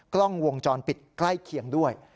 กล้องวงจรปิดใกล้เคียงด้วย